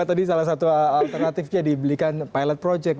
tadi salah satu alternatifnya dibelikan pilot project